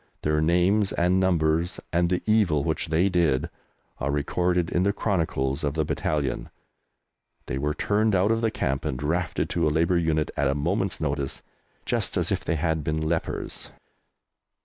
Their names and numbers, and the evil which they did, are recorded in the chronicles of the battalion. They were turned out of the camp and drafted to a Labour unit at a moment's notice, just as if they had been lepers.